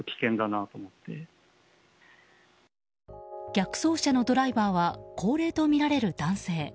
逆走車のドライバーは高齢とみられる男性。